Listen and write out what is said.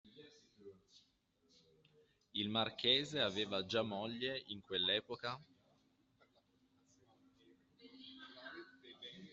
Il marchese aveva già moglie in quell'epoca?